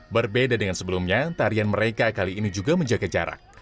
berbeda dengan sebelumnya tarian mereka kali ini juga menjaga jarak